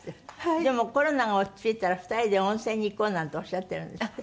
でも「コロナが落ち着いたら２人で温泉に行こう」なんておっしゃってるんですって？